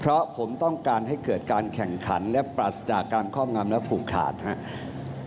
เพราะผมต้องการให้เกิดการแข่งขันและปราศจากการครอบงำและผูกขาดครับ